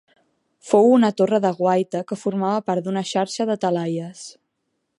Fou una torre de guaita que formava part d'una xarxa de talaies.